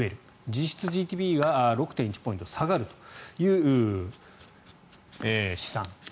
実質ＧＤＰが６．１ポイント下がるという試算。